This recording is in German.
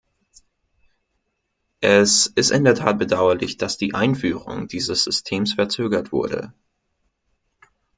Es ist in der Tat bedauerlich, dass die Einführung dieses Systems verzögert wurde.